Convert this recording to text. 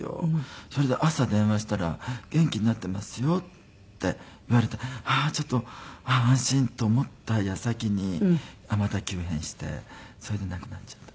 それで朝電話したら「元気になっていますよ」って言われてああーちょっと安心と思った矢先にまた急変してそれで亡くなっちゃった。